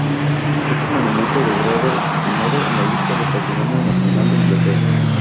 Es un monumento de Grado I en la Lista de Patrimonio Nacional de Inglaterra.